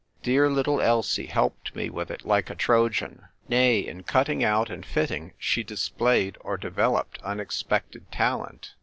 Dear little Elsie helped me with it like a Trojan. Nay, in cutting out and fitting she displayed or developed unexpected talent.